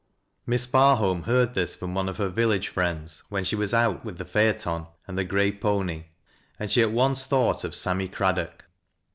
Miss Barholm heai'd thia from one of her village fj^ends when she was out with the phaeton and the gray pony, and she at once thought of Sam my Craddock.